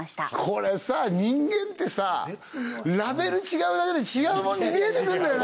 これさ人間ってさラベル違うだけで違うもんに見えてくるんだよ